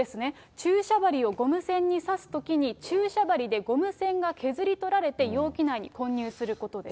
注射針をゴム栓に刺すときに、注射針でゴム栓が削り取られて容器内に混入することです。